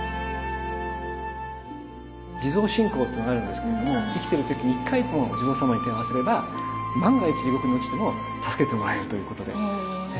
地蔵信仰っていうのがあるんですけども生きてる時に１回でもお地蔵様に手を合わせれば万が一地獄に落ちても助けてもらえるということで。